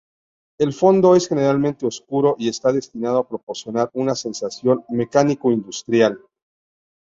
El fondo es generalmente oscuro y está destinado a proporcionar una sensación mecánico-industrial.